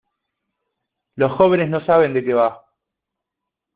Los jóvenes no saben de qué va.